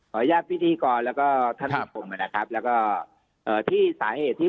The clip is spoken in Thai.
ขออนุญาตพิธีกรแล้วก็ท่านผู้ชมมานะครับแล้วก็ที่สาเหตุที่